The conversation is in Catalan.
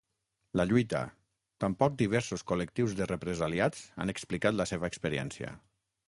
La lluita, tampoc diversos col·lectius de represaliats han explicat la seva experiència.